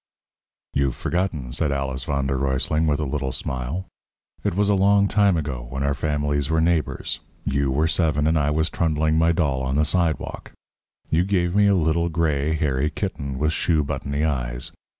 "You've forgotten," said Alice v. d. R., with a little smile. "It was a long time ago when our families were neighbours. You were seven, and I was trundling my doll on the sidewalk. You have me a little gray, hairy kitten, with shoe buttony eyes.